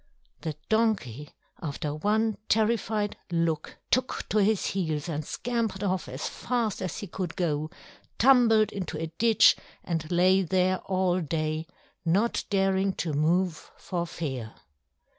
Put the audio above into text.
The donkey, after one terrified look, took to his heels and scampered off as fast as he could go, tumbled into a ditch, and lay there all day, not daring to move for fear.